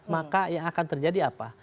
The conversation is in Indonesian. maka yang akan terjadi apa